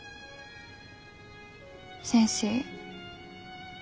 先生